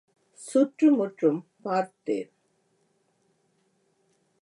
சுற்றும் முற்றும் பார்தேன்.